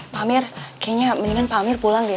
pak amir kayaknya mendingan pak amir pulang ya